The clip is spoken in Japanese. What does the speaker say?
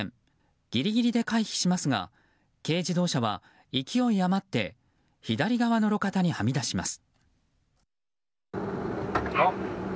ギリギリで回避しますが軽自動車は勢い余って左側の路肩にはみ出します。